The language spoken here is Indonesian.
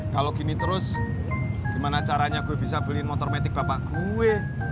kalau gini terus gimana caranya gue bisa beliin motor metik bapak gue